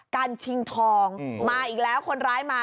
ชิงทองมาอีกแล้วคนร้ายมา